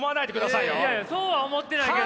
いやいやそうは思ってないけど。